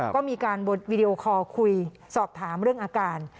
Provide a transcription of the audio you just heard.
ก็มีการวีดีโอคอลคุยสอบถามเรื่องอาการ